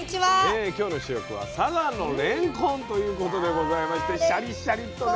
今日の主役は「佐賀のれんこん」ということでございましてシャリッシャリッとね。